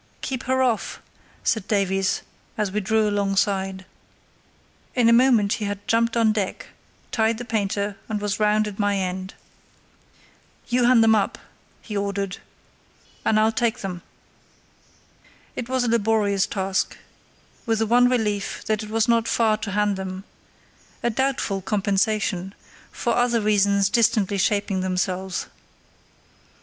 "Keep her off," said Davies, as we drew alongside. In a moment he had jumped on deck, tied the painter, and was round at my end. "You hand them up," he ordered, "and I'll take them." It was a laborious task, with the one relief that it was not far to hand them—a doubtful compensation, for other reasons distantly shaping themselves.